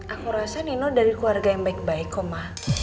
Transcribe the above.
aku rasa nino dari keluarga yang baik baik koma